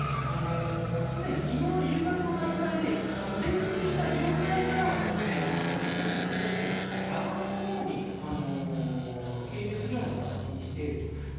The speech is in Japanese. すでに昨日の夕方の段階で転覆した状態からは元に戻して、左岸の方に係留するような形にしていると。